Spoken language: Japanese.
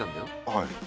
はい。